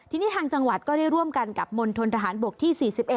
ทีนี้ทางจังหวัดก็ได้ร่วมกันกับมณฑนทหารบกที่๔๑